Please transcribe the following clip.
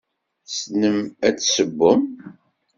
Tessnem ad tessewwem?